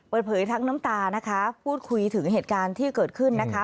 เปิดเผยทั้งน้ำตานะคะพูดคุยถึงเหตุการณ์ที่เกิดขึ้นนะคะ